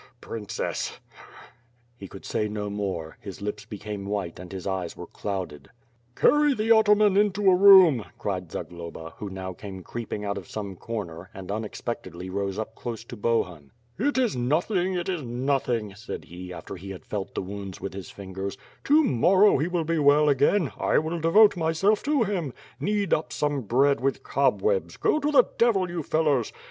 Princess. ..." lie could say no more; his lips became white and his eyes were clouded. C/arry the ataman into a room," cried Zagloba, who now came creeping out of some corner, and unexpectedly rose up close to Bohun. "It is nothing; it is nothing," said he, after he had felt the wounds with his fingers. *'To morrow he will be well again; 1 will devote myself to him. Knead up some bread with cobwebs; go to the devil, you fellows!